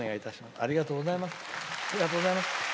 ありがとうございます。